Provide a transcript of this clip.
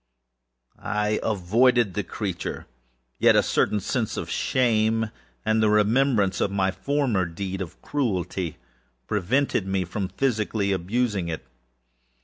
I avoided the creature; a certain sense of shame, and the remembrance of my former deed of cruelty, preventing me from physically abusing it.